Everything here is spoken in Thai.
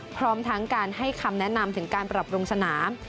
พร้อมทั้งการให้คำแนะนำถึงการปรับปรุงสนาม